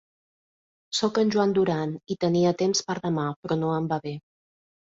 Soc en Joan Duran i tenia temps per demà, però no em va bé.